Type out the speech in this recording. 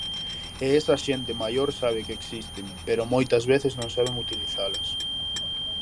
E esa xente maior sabe que existen, pero moitas veces non saben utilizalas.